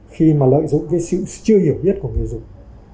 khi mà lợi dụng cái sự chưa hiểu biết của người dùng